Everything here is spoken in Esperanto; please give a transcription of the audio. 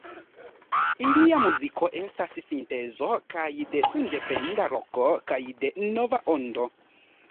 Ilia muziko estas sintezo kaj de sendependa roko kaj de Nova ondo.